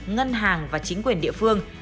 ngân hàng và chính quyền địa phương